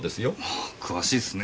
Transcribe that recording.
詳しいっすね。